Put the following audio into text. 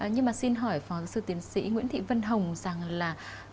nhưng mà xin hỏi phó sư tiến sĩ nguyễn thị vân hồng rằng là